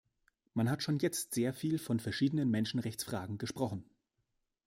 Man hat jetzt schon sehr viel von verschiedenen Menschenrechtsfragen gesprochen.